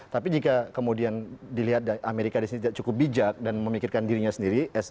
tapi jika kemudian dilihat amerika di sini tidak cukup bijak dan memikirkan dirinya sendiri